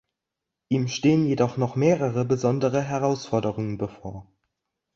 Ihm stehen jedoch noch mehrere besondere Herausforderungen bevor.